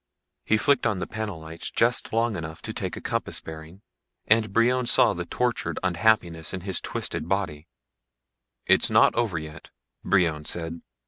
He flicked on the panel lights just long enough to take a compass bearing, and Brion saw the tortured unhappiness in his twisted body. "It's not over yet," Brion said.